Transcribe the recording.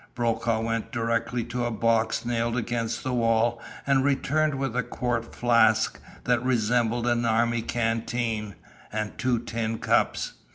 Brokaw went directly to a box nailed against the wall and returned with a quart flask that resembled an army canteen, and two tin cups.